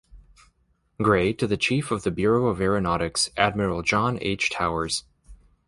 Gray, to the Chief of the Bureau of Aeronautics, Admiral John H. Towers.